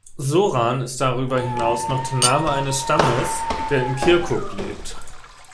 Soran ist darüber hinaus noch der Name eines Stammes, der in Kirkuk lebt.